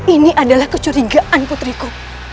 ini adalah kecurigaan putriku